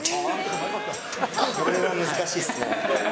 これは難しいですね。